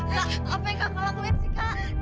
kak apa yang kakak lakukan sih kak